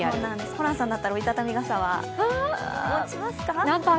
ホランさんだったら折り畳み傘は持ちますか？